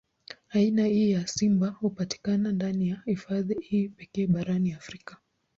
Aina hii ya simba hupatikana ndani ya hifadhi hii pekee barani Afrika.